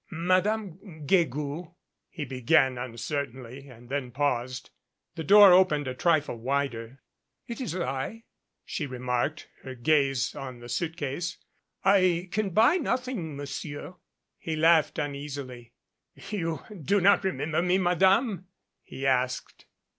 "Madame Guegou," he began uncertainly and then , paused. The door opened a trifle wider. "It is I," she remarked, her gaze on the suitcase. "I can buy nothing, Monsieur." He laughed uneasily. "You do not remember me, Madame?" he asked.